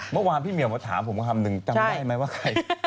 เมื่อวานพี่เหมียวมาถามผมคำนึงจำได้ไหมว่าใคร